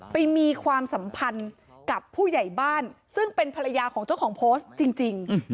มีความสัมพันธ์กับผู้ใหญ่บ้านซึ่งเป็นภรรยาของเจ้าของโพสต์จริง